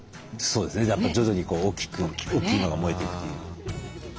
そうですね徐々に大きく大きいのが燃えていくという。